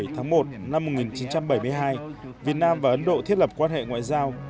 tháng một năm một nghìn chín trăm bảy mươi hai việt nam và ấn độ thiết lập quan hệ ngoại giao